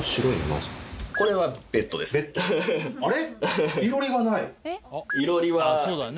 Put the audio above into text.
あれ？